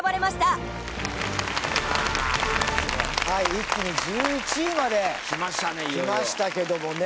一気に１１位まできましたけどもね。